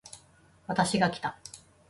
私がきた